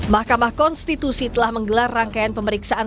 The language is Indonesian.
mahkamah konstitusi telah menggelar rangkaian pemeriksaan